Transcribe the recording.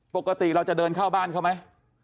ปกติเราจะเดินเข้าบ้านเขาไหม